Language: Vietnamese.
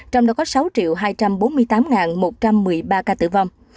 trong đó có sáu hai trăm bốn mươi tám một trăm một mươi ba ca tử vong